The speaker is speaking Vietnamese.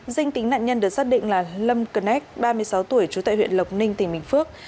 dinh tính nạn nhân được xác định là lâm cân nét ba mươi sáu tuổi trú tại huyện lộc ninh tỉnh bình phước